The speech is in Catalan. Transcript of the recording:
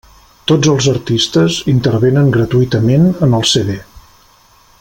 Tots els artistes intervenen gratuïtament en el CD.